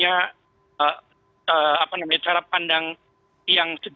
kita sudah menemukan krisis yang berbeda